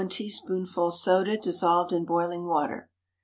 1 teaspoonful soda dissolved in boiling water.